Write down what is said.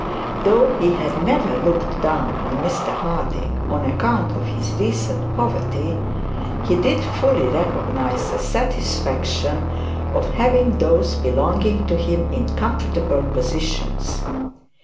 Though he had never looked down on Mr Harding on account of his great poverty, he did fully recognise the satisfaction of having those belonging to him in comfortable positions.